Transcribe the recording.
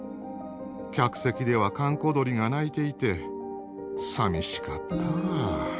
客席では閑古鳥が鳴いていてさみしかったわ。